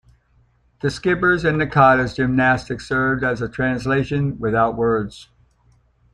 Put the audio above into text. The skipper's and Nakata's gymnastics served as a translation without words.